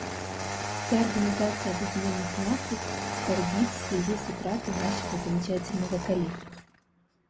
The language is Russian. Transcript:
Вся Организация Объединенных Наций скорбит в связи с утратой нашего замечательного коллеги.